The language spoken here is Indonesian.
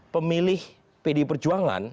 pemilih pdi perjuangan